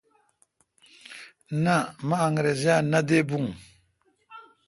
نہ مہ انگرزا نہ دے بھو۔